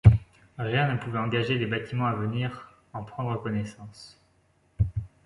Rien ne pouvait engager les bâtiments à venir en prendre connaissance.